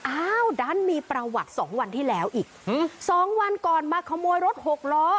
อ้าวดันมีประวัติสองวันที่แล้วอีกสองวันก่อนมาขโมยรถหกล้อ